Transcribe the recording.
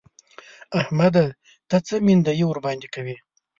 احمده! ته څه مينده يي ورباندې کوې؟!